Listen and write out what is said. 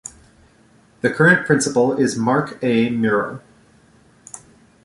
The current principal is Mark A. Murrell.